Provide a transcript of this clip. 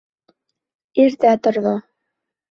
Иртә торҙо.